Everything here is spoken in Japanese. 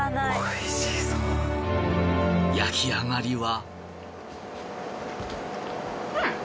焼き上がりは？